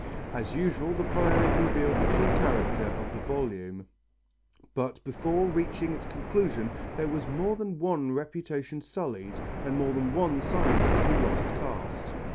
As usual the polemic revealed the true character of the volume, but before reaching its conclusion there was more than one reputation sullied and more than one scientist who lost caste.